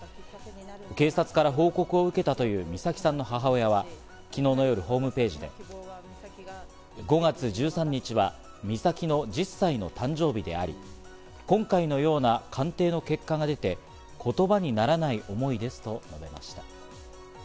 警察から報告を受けたという美咲さんの母親は、昨日の夜ホームページで、５月１３日は美咲の１０歳の誕生日であり、今回のような鑑定の結果が出て、言葉にならない思いですと語りました。